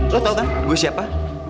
lo tau kan gue siapa